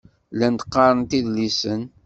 Llant qqarent idlisen.